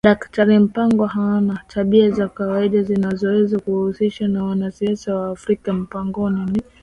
Daktari Mpango hana tabia za kawaida unazoweza kuzihusisha na wanasiasa wa Afrika Mpango ni